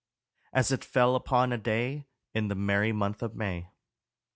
"As it fell upon a day In the merry month of May."